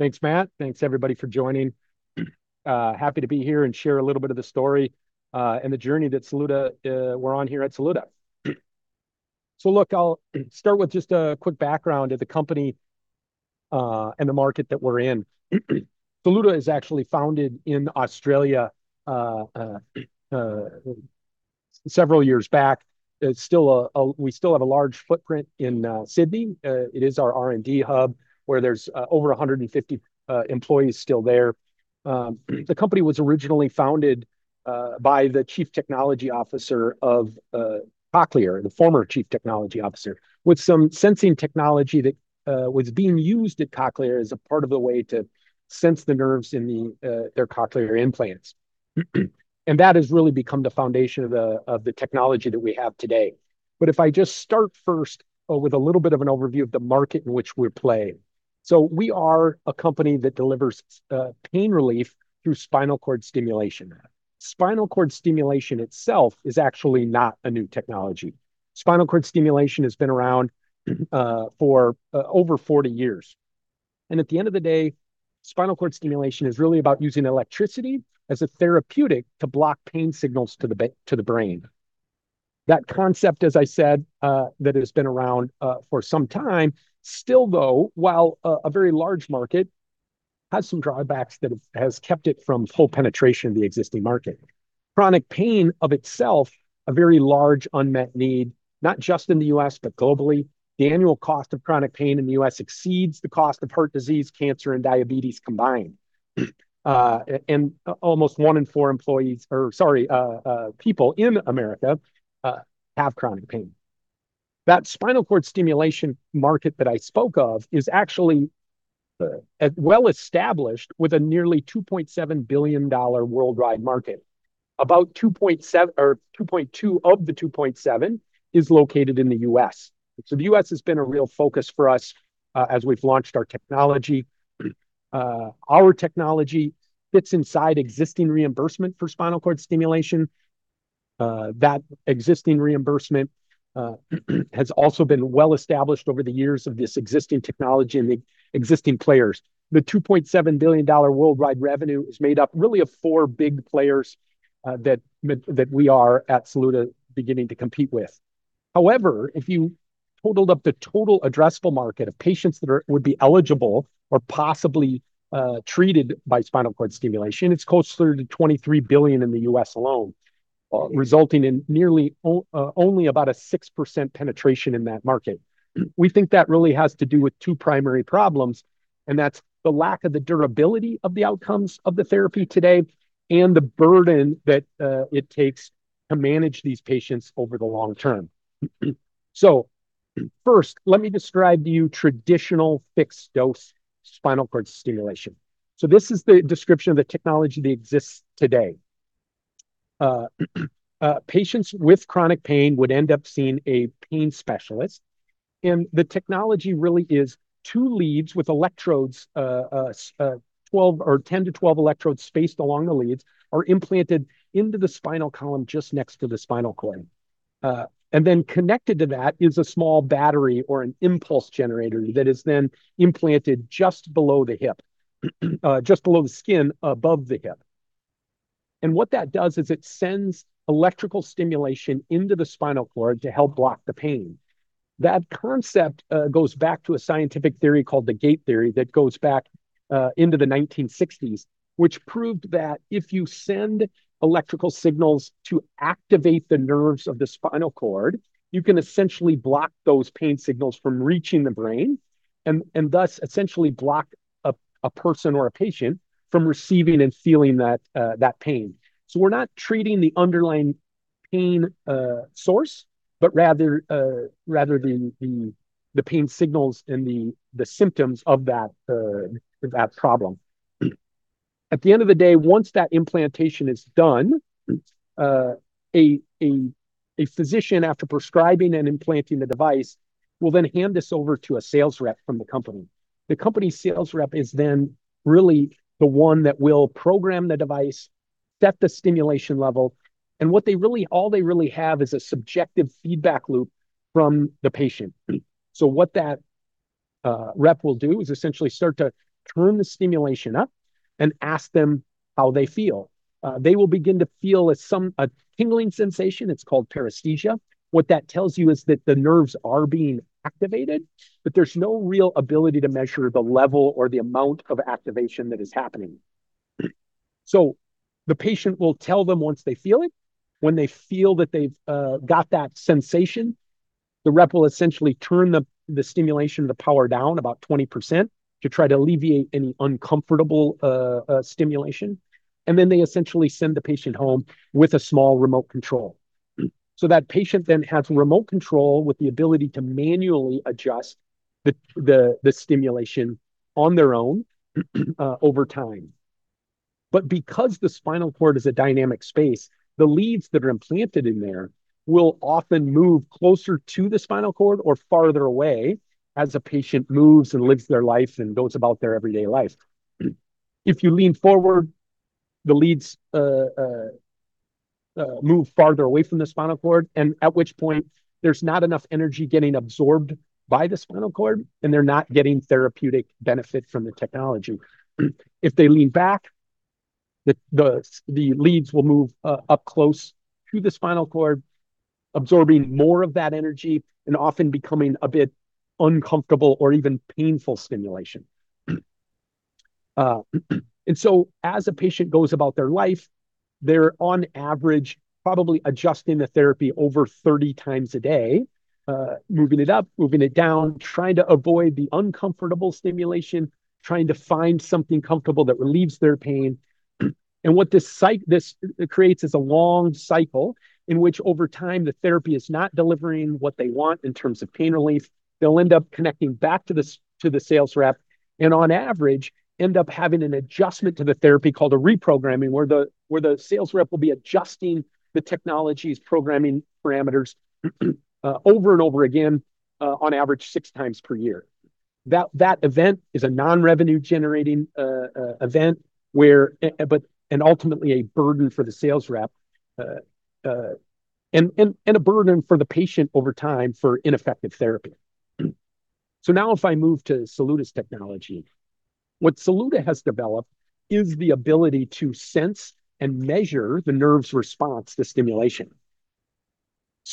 Thanks, Matt. Thanks everybody for joining. Happy to be here and share a little bit of the story and the journey that we're on here at Saluda. Look, I'll start with just a quick background of the company and the market that we're in. Saluda is actually founded in Australia several years back. We still have a large footprint in Sydney. It is our R&D hub where there's over 150 employees still there. The company was originally founded by the Chief Technology Officer of Cochlear, the former Chief Technology Officer, with some sensing technology that was being used at Cochlear as a part of the way to sense the nerves in their cochlear implants. That has really become the foundation of the technology that we have today. If I just start first with a little bit of an overview of the market in which we play. We are a company that delivers pain relief through spinal cord stimulation. Spinal cord stimulation itself is actually not a new technology. Spinal cord stimulation has been around for over 40 years. At the end of the day, spinal cord stimulation is really about using electricity as a therapeutic to block pain signals to the brain. That concept, as I said, that has been around for some time, still though, while a very large market, has some drawbacks that has kept it from full penetration of the existing market. Chronic pain in itself, a very large unmet need, not just in the U.S., but globally. The annual cost of chronic pain in the U.S. exceeds the cost of heart disease, cancer, and diabetes combined. And almost one in four employees, or people in America, have chronic pain. That spinal cord stimulation market that I spoke of is actually well-established with a nearly $2.7 billion worldwide market. About $2.2 billion of the $2.7 billion is located in the U.S. The U.S. has been a real focus for us as we've launched our technology. Our technology fits inside existing reimbursement for spinal cord stimulation. That existing reimbursement has also been well-established over the years of this existing technology and the existing players. The $2.7 billion worldwide revenue is made up really of four big players, that we are at Saluda beginning to compete with. However, if you totaled up the total addressable market of patients that would be eligible or possibly treated by spinal cord stimulation, it's closer to $23 billion in the U.S. alone, resulting in nearly only about a 6% penetration in that market. We think that really has to do with two primary problems, and that's the lack of the durability of the outcomes of the therapy today, and the burden that it takes to manage these patients over the long term. First, let me describe to you traditional fixed-dose spinal cord stimulation. This is the description of the technology that exists today. Patients with chronic pain would end up seeing a pain specialist, and the technology really is two leads with electrodes, 12 or 10-12 electrodes spaced along the leads are implanted into the spinal column just next to the spinal cord. Connected to that is a small battery or an impulse generator that is then implanted just below the hip, just below the skin above the hip. What that does is it sends electrical stimulation into the spinal cord to help block the pain. That concept goes back to a scientific theory called the gate theory that goes back into the 1960s, which proved that if you send electrical signals to activate the nerves of the spinal cord, you can essentially block those pain signals from reaching the brain and thus essentially block a person or a patient from receiving and feeling that pain. We're not treating the underlying pain source, but rather the pain signals and the symptoms of that problem. At the end of the day, once that implantation is done, a physician after prescribing and implanting the device will then hand this over to a sales rep from the company. The company's sales rep is then really the one that will program the device, set the stimulation level, and all they really have is a subjective feedback loop from the patient. What that rep will do is essentially start to turn the stimulation up and ask them how they feel. They will begin to feel a tingling sensation. It's called paresthesia. What that tells you is that the nerves are being activated, but there's no real ability to measure the level or the amount of activation that is happening. The patient will tell them once they feel it. When they feel that they've got that sensation, the rep will essentially turn the stimulation power down about 20% to try to alleviate any uncomfortable stimulation. Then they essentially send the patient home with a small remote control. That patient then has remote control with the ability to manually adjust the stimulation on their own over time. Because the spinal cord is a dynamic space, the leads that are implanted in there will often move closer to the spinal cord or farther away as a patient moves and lives their life and goes about their everyday life. If you lean forward, the leads move farther away from the spinal cord, and at which point there's not enough energy getting absorbed by the spinal cord, and they're not getting therapeutic benefit from the technology. If they lean back, the leads will move up close to the spinal cord, absorbing more of that energy and often becoming a bit uncomfortable or even painful stimulation. As a patient goes about their life, they're on average probably adjusting the therapy over 30x a day, moving it up, moving it down, trying to avoid the uncomfortable stimulation, trying to find something comfortable that relieves their pain. What this creates is a long cycle in which over time the therapy is not delivering what they want in terms of pain relief. They'll end up connecting back to the sales rep, and on average end up having an adjustment to the therapy called a reprogramming, where the sales rep will be adjusting the technology's programming parameters over and over again, on average 6x per year. That event is a non-revenue-generating event and ultimately a burden for the sales rep. A burden for the patient over time for ineffective therapy. Now if I move to Saluda's technology. What Saluda has developed is the ability to sense and measure the nerve's response to stimulation.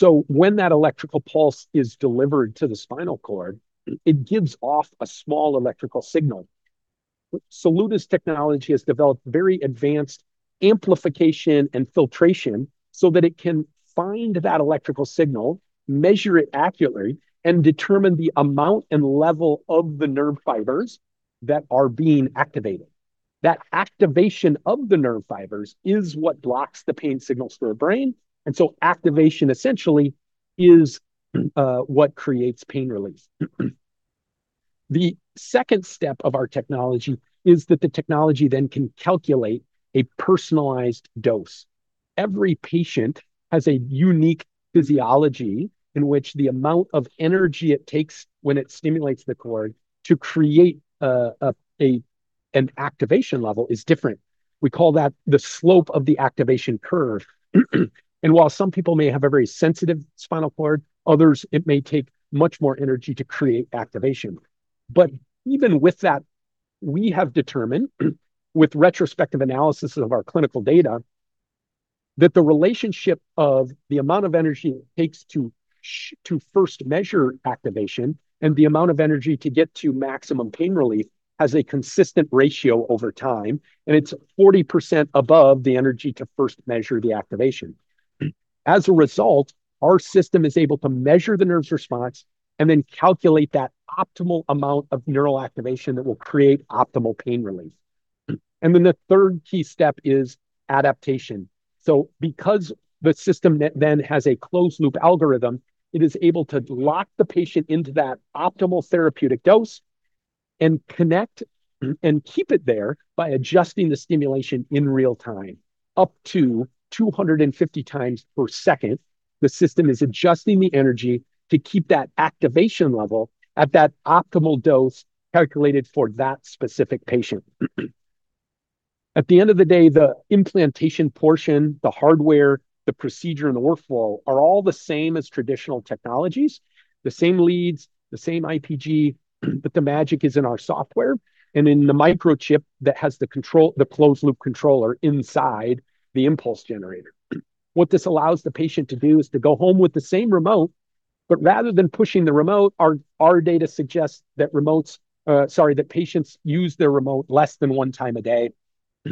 When that electrical pulse is delivered to the spinal cord, it gives off a small electrical signal. Saluda's technology has developed very advanced amplification and filtration so that it can find that electrical signal, measure it accurately, and determine the amount and level of the nerve fibers that are being activated. That activation of the nerve fibers is what blocks the pain signals to our brain, and so activation essentially is what creates pain relief. The second step of our technology is that the technology then can calculate a personalized dose. Every patient has a unique physiology in which the amount of energy it takes when it stimulates the cord to create an activation level is different. We call that the slope of the activation curve. While some people may have a very sensitive spinal cord, others it may take much more energy to create activation. Even with that, we have determined with retrospective analysis of our clinical data that the relationship of the amount of energy it takes to first measure activation and the amount of energy to get to maximum pain relief has a consistent ratio over time, and it's 40% above the energy to first measure the activation. As a result, our system is able to measure the nerve's response and then calculate that optimal amount of neural activation that will create optimal pain relief. The third key step is adaptation. Because the system then has a closed-loop algorithm, it is able to lock the patient into that optimal therapeutic dose and keep it there by adjusting the stimulation in real time. Up to 250x per second the system is adjusting the energy to keep that activation level at that optimal dose calculated for that specific patient. At the end of the day, the implantation portion, the hardware, the procedure, and the workflow are all the same as traditional technologies. The same leads, the same IPG, but the magic is in our software and in the microchip that has the control, the closed-loop controller inside the impulse generator. What this allows the patient to do is to go home with the same remote, but rather than pushing the remote, our data suggests that patients use their remote less than 1x a day. The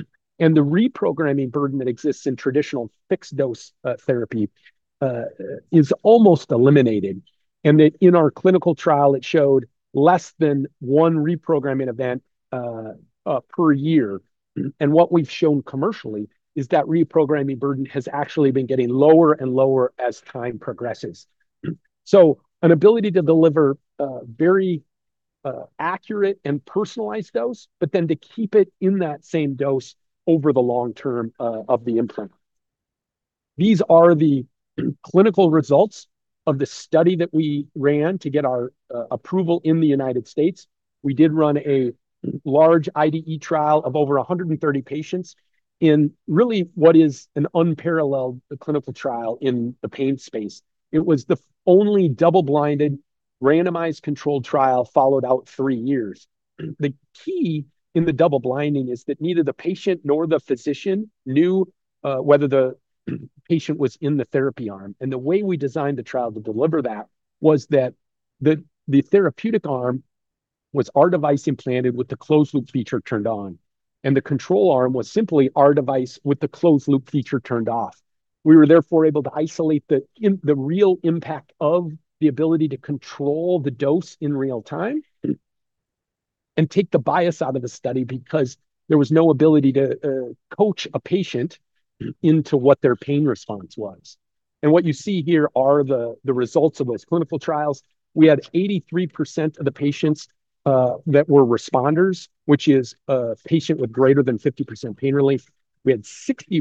reprogramming burden that exists in traditional fixed-dose therapy is almost eliminated. In our clinical trial it showed less than 1 reprogramming event per year. What we've shown commercially is that reprogramming burden has actually been getting lower and lower as time progresses. An ability to deliver a very accurate and personalized dose, but then to keep it in that same dose over the long term of the implant. These are the clinical results of the study that we ran to get our approval in the United States. We did run a large IDE trial of over 130 patients in really what is an unparalleled clinical trial in the pain space. It was the only double-blinded randomized controlled trial followed out three years. The key in the double blinding is that neither the patient nor the physician knew whether the patient was in the therapy arm. The way we designed the trial to deliver that was that the therapeutic arm was our device implanted with the closed-loop feature turned on, and the control arm was simply our device with the closed-loop feature turned off. We were therefore able to isolate the real impact of the ability to control the dose in real time, and take the bias out of the study because there was no ability to coach a patient into what their pain response was. What you see here are the results of those clinical trials. We had 83% of the patients that were responders, which is a patient with greater than 50% pain relief. We had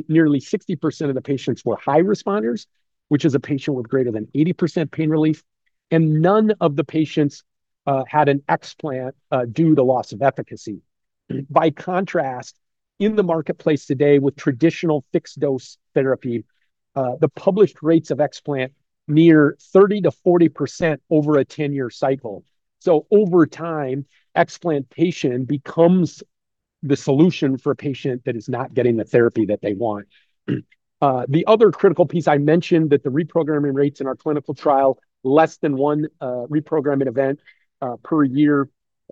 nearly 60% of the patients were high responders, which is a patient with greater than 80% pain relief. None of the patients had an explant due to loss of efficacy. By contrast, in the marketplace today with traditional fixed-dose therapy, the published rates of explant near 30%-40% over a 10-year cycle. Over time, explantation becomes the solution for a patient that is not getting the therapy that they want. The other critical piece I mentioned that the reprogramming rates in our clinical trial, less than 1 reprogramming event per year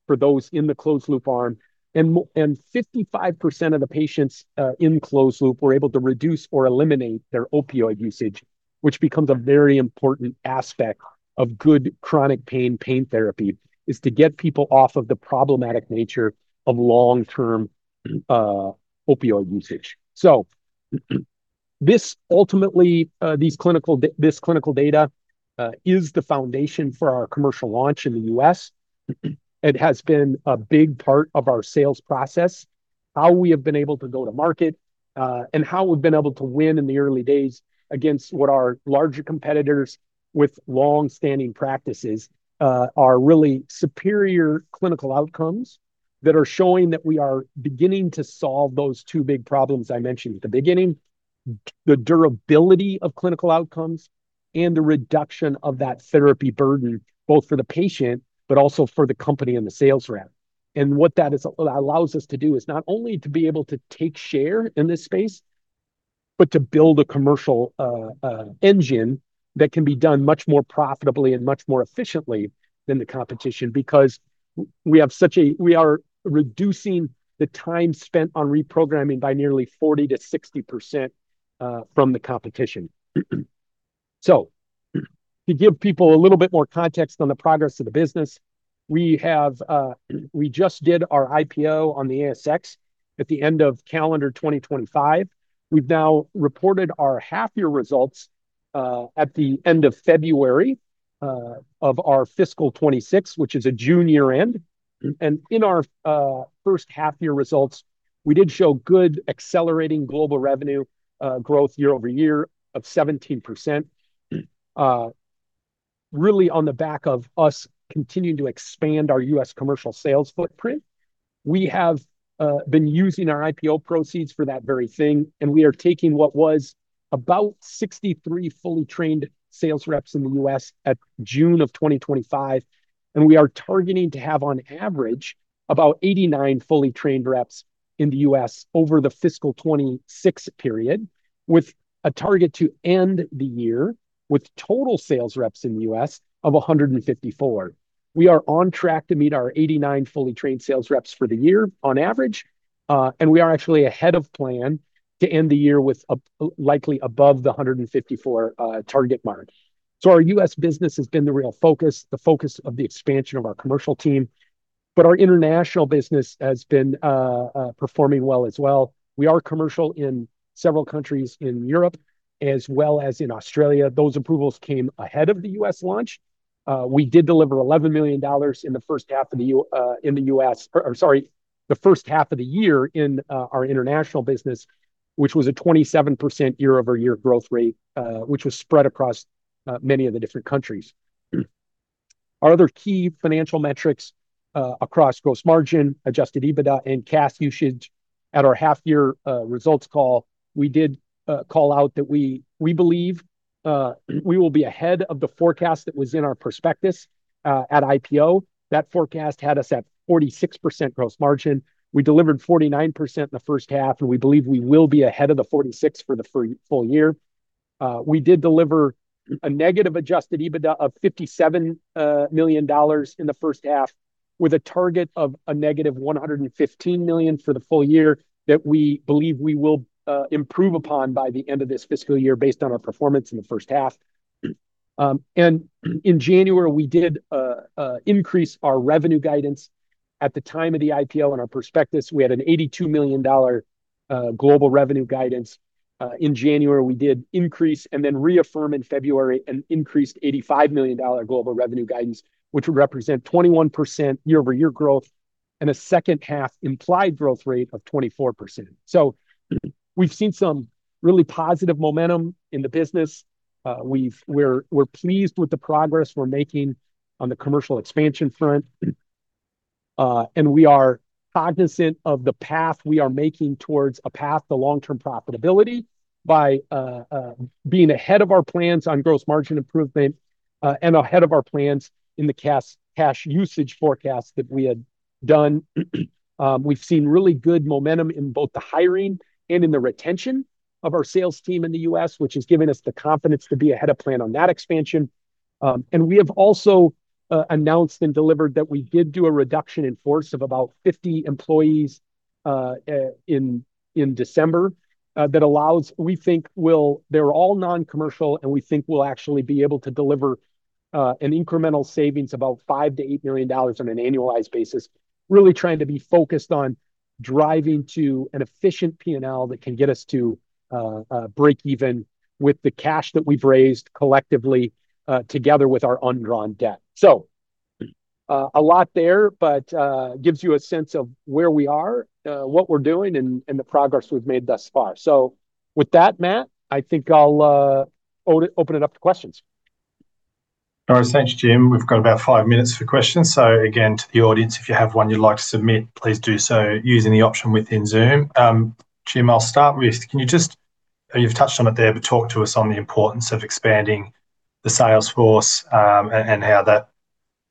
for those in the closed-loop arm. 55% of the patients in closed-loop were able to reduce or eliminate their opioid usage, which becomes a very important aspect of good chronic pain therapy, is to get people off of the problematic nature of long-term opioid usage. This clinical data is the foundation for our commercial launch in the U.S. It has been a big part of our sales process, how we have been able to go to market, and how we've been able to win in the early days against what our larger competitors with long-standing practices, our really superior clinical outcomes that are showing that we are beginning to solve those two big problems I mentioned at the beginning, the durability of clinical outcomes and the reduction of that therapy burden, both for the patient but also for the company and the sales rep. What that allows us to do is not only to be able to take share in this space, but to build a commercial engine that can be done much more profitably and much more efficiently than the competition because we have such a. We are reducing the time spent on reprogramming by nearly 40%-60% from the competition. To give people a little bit more context on the progress of the business, we just did our IPO on the ASX at the end of calendar 2025. We've now reported our half-year results at the end of February of our fiscal 2026, which is a June year end. In our first half-year results, we did show good accelerating global revenue growth year-over-year of 17%, really on the back of us continuing to expand our U.S. commercial sales footprint. We have been using our IPO proceeds for that very thing, and we are taking what was about 63 fully trained sales reps in the U.S. at June 2025, and we are targeting to have, on average, about 89 fully trained reps in the U.S. over the fiscal 2026 period, with a target to end the year with total sales reps in the U.S. of 154. We are on track to meet our 89 fully trained sales reps for the year on average, and we are actually ahead of plan to end the year with likely above the 154 target mark. Our U.S. business has been the real focus, the focus of the expansion of our commercial team, but our international business has been performing well as well. We are commercial in several countries in Europe as well as in Australia. Those approvals came ahead of the U.S. launch. We did deliver $11 million in the first half of the year in our international business, which was a 27% year-over-year growth rate, which was spread across many of the different countries. Our other key financial metrics across gross margin, adjusted EBITDA and cash usage at our half-year results call, we did call out that we believe we will be ahead of the forecast that was in our prospectus at IPO. That forecast had us at 46% gross margin. We delivered 49% in the first half, and we believe we will be ahead of the 46% for the full year. We did deliver a negative adjusted EBITDA of $57 million in the first half with a target of a -$115 million for the full year that we believe we will improve upon by the end of this fiscal year based on our performance in the first half. In January, we did increase our revenue guidance. At the time of the IPO and our prospectus, we had an $82 million dollar global revenue guidance. In January, we did increase and then reaffirm in February an increased $85 million dollar global revenue guidance, which would represent 21% year-over-year growth and a second half implied growth rate of 24%. We've seen some really positive momentum in the business. We're pleased with the progress we're making on the commercial expansion front. We are cognizant of the path we are making towards a path to long-term profitability by being ahead of our plans on gross margin improvement and ahead of our plans in the cash usage forecast that we had done. We've seen really good momentum in both the hiring and in the retention of our sales team in the U.S., which has given us the confidence to be ahead of plan on that expansion. We have also announced and delivered that we did do a reduction in force of about 50 employees in December that allows, we think will. They're all non-commercial, and we think we'll actually be able to deliver an incremental savings about $5 million-$8 million on an annualized basis, really trying to be focused on driving to an efficient P&L that can get us to break even with the cash that we've raised collectively together with our undrawn debt. A lot there, but gives you a sense of where we are, what we're doing and the progress we've made thus far. With that, Matt, I think I'll open it up to questions. All right. Thanks, Jim. We've got about five minutes for questions. Again, to the audience, if you have one you'd like to submit, please do so using the option within Zoom. Jim, you've touched on it there, but talk to us on the importance of expanding the sales force and how that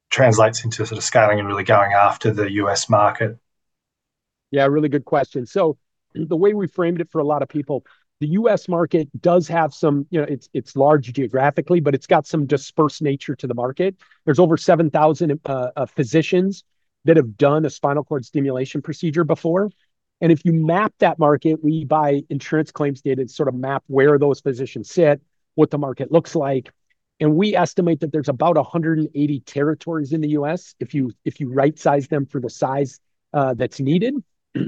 translates into sort of scaling and really going after the U.S. market. Yeah, really good question. The way we framed it for a lot of people, the U.S. market does have some, you know, it's large geographically, but it's got some dispersed nature to the market. There's over 7,000 physicians that have done a spinal cord stimulation procedure before. If you map that market, we, by insurance claims data, sort of map where those physicians sit, what the market looks like. We estimate that there's about 180 territories in the U.S. if you right-size them for the size that's needed,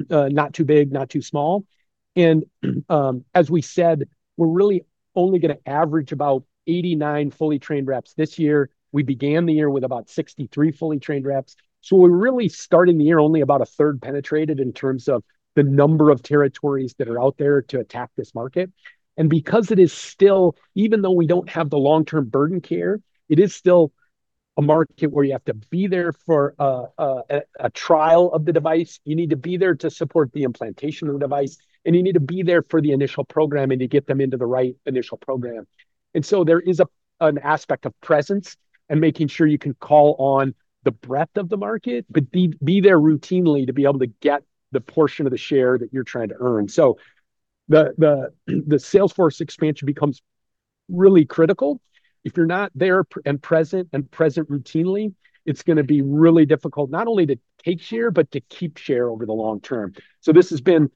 not too big, not too small. As we said, we're really only gonna average about 89 fully trained reps this year. We began the year with about 63 fully trained reps. We're really starting the year only about 1/3 penetrated in terms of the number of territories that are out there to attack this market. Because it is still, even though we don't have the long-term burden care, it is still a market where you have to be there for a trial of the device. You need to be there to support the implantation of the device, and you need to be there for the initial programming to get them into the right initial program. There is an aspect of presence and making sure you can call on the breadth of the market, but be there routinely to be able to get the portion of the share that you're trying to earn. The sales force expansion becomes really critical. If you're not there and present routinely, it's gonna be really difficult not only to take share, but to keep share over the long term. This has been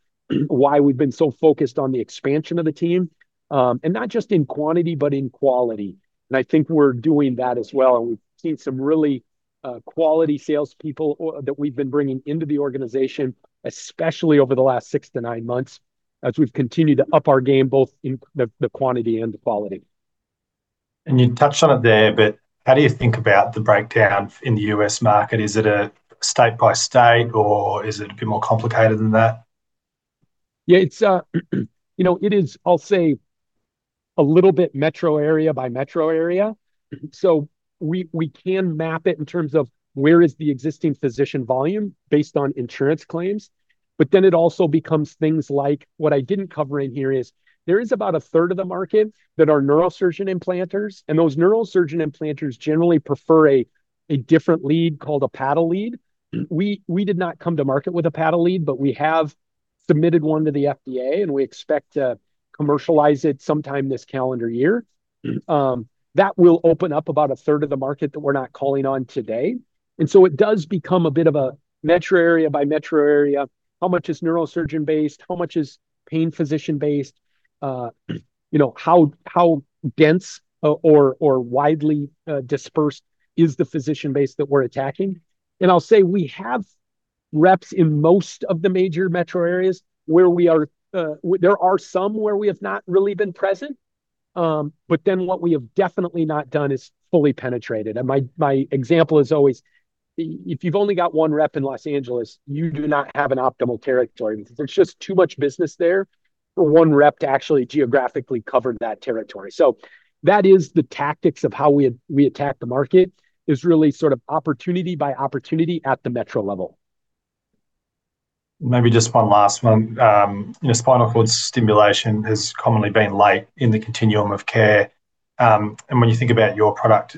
why we've been so focused on the expansion of the team. Not just in quantity, but in quality. I think we're doing that as well, and we've seen some really quality salespeople that we've been bringing into the organization, especially over the last six to nine months, as we've continued to up our game both in the quantity and the quality. You touched on it there, but how do you think about the breakdown in the U.S. market? Is it a state-by-state, or is it a bit more complicated than that? Yeah. It's, you know, it is, I'll say, a little bit metro area by metro area. We can map it in terms of where is the existing physician volume based on insurance claims. It also becomes things like, what I didn't cover in here is, there is about 1/3 of the market that are neurosurgeon implanters, and those neurosurgeon implanters generally prefer a different lead called a paddle lead. We did not come to market with a paddle lead, but we have submitted one to the FDA, and we expect to commercialize it sometime this calendar year. That will open up about a third of the market that we're not calling on today. It does become a bit of a metro area by metro area, how much is neurosurgeon-based, how much is pain physician-based? You know, how dense or widely dispersed is the physician base that we're attacking? I'll say we have reps in most of the major metro areas where we are. There are some where we have not really been present. What we have definitely not done is fully penetrated. My example is always, if you've only got one rep in Los Angeles, you do not have an optimal territory. There's just too much business there for one rep to actually geographically cover that territory. That is the tactics of how we attack the market, is really sort of opportunity by opportunity at the metro level. Maybe just one last one. You know, spinal cord stimulation has commonly been late in the continuum of care. When you think about your product,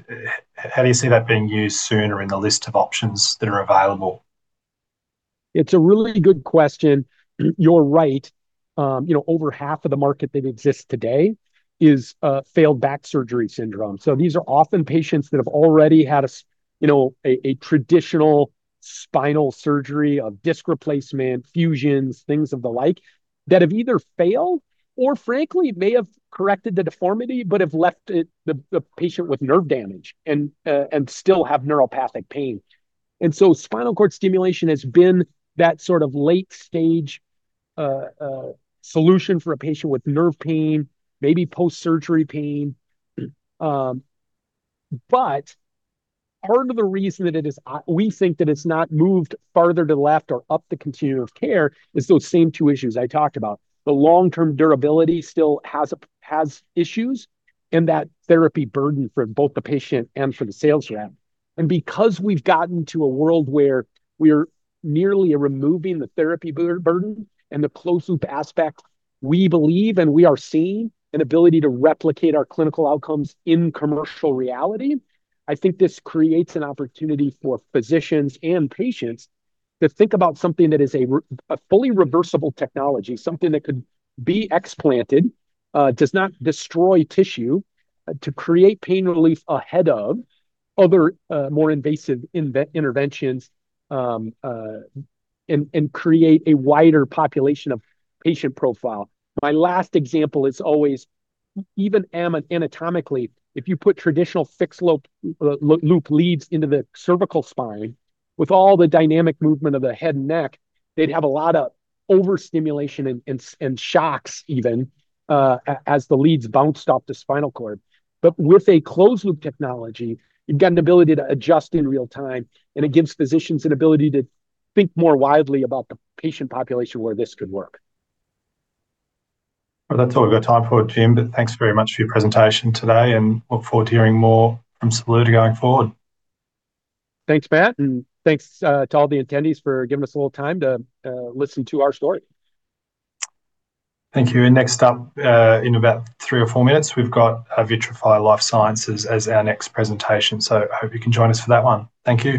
how do you see that being used sooner in the list of options that are available? It's a really good question. You're right. You know, over half of the market that exists today is failed back surgery syndrome. These are often patients that have already had a you know, a traditional spinal surgery of disc replacement, fusions, things of the like, that have either failed or frankly may have corrected the deformity, but have left the patient with nerve damage and still have neuropathic pain. Spinal cord stimulation has been that sort of late stage solution for a patient with nerve pain, maybe post-surgery pain. Part of the reason that we think that it's not moved farther to left or up the continuum of care is those same two issues I talked about. The long-term durability still has issues, and that therapy burden for both the patient and for the sales rep. Because we've gotten to a world where we're nearly removing the therapy burden and the closed-loop aspect, we believe, and we are seeing an ability to replicate our clinical outcomes in commercial reality. I think this creates an opportunity for physicians and patients to think about something that is a fully reversible technology, something that could be explanted, does not destroy tissue, to create pain relief ahead of other, more invasive interventions, and create a wider population of patient profile. My last example is always even anatomically, if you put traditional fixed-loop leads into the cervical spine with all the dynamic movement of the head and neck, they'd have a lot of overstimulation and shocks even, as the leads bounced off the spinal cord. With a closed-loop technology, you've got an ability to adjust in real time, and it gives physicians an ability to think more widely about the patient population where this could work. Well, that's all we've got time for, Jim, but thanks very much for your presentation today, and we look forward to hearing more from Saluda going forward. Thanks, Matt, and thanks to all the attendees for giving us a little time to listen to our story. Thank you. Next up, in about three or four minutes, we've got Vitruvian Partners as our next presentation. I hope you can join us for that one. Thank you.